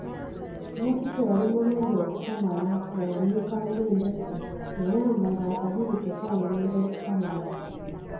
Nakitto yali mulungi okukamala nga yamyuka ng'endeku era mbu ng'akabiri ke kaweweera okukamala.